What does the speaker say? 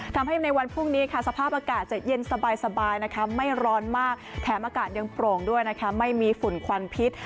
ทำให้ในวันพรุ่งนี้ค่ะสภาพอากาศจะเย็นสบายนะคะไม่ร้อนมากแถมอากาศยังโปร่งด้วยนะคะไม่มีฝุ่นควันพิษ